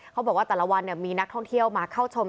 เขาบอกว่าแต่ละวันมีนักท่องเที่ยวมาเข้าชม